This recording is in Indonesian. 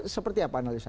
seperti apa analisis